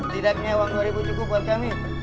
tidaknya uang rp dua ribu cukup buat kami